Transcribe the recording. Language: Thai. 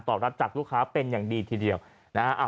รับจากลูกค้าเป็นอย่างดีทีเดียวนะฮะ